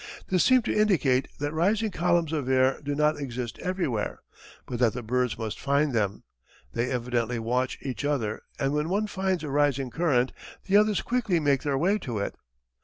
This seemed to indicate that rising columns of air do not exist everywhere, but that the birds must find them. They evidently watch each other and when one finds a rising current the others quickly make their way to it.